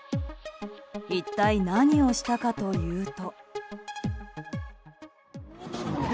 一体何をしたかというと。